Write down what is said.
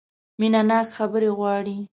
مینه ناکه خبرې غواړي .